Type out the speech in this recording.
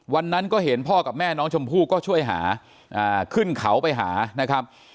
วันนั้นก็เห็นพ่อกับแม่น้องชมพู่ก็ช่วยหาขึ้นเขาไปหานะครับ